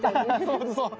そうそう。